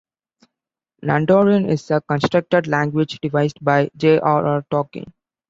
Nandorin is a constructed language devised by J. R. R. Tolkien.